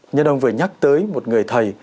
nhân ông vừa nhắc tới một người thầy